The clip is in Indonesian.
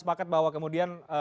saya kira bahwa kemudian